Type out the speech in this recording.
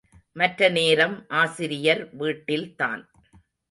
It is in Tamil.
மற்ற நேரம் ஆசிரியர் வீட்டில்தான்.